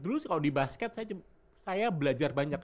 dulu kalau di basket saya belajar banyak